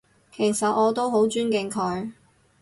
其實我都好尊敬佢